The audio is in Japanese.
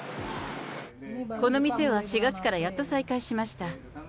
この店は４月からやっと再開しました。